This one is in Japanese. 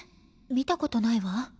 見たことないわ。